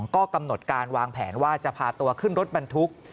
ก็กำหนดการวางแผนว่าจะพาตัวขึ้นรถบรรทุก